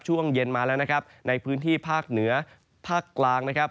ช่วงเย็นมาแล้วนะครับในพื้นที่ภาคเหนือภาคกลางนะครับ